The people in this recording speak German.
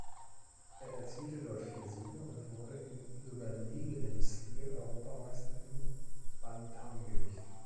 Er erzielte dort vier Siege und wurde in überlegenem Stil Europameister im Bantamgewicht.